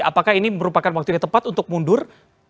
apakah ini merupakan waktu yang tepat untuk mundur